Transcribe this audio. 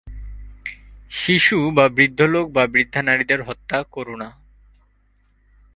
শিশু বা বৃদ্ধ লোক বা বৃদ্ধা নারীদের হত্যা করো না।